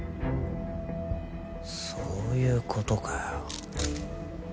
そういう事かよ。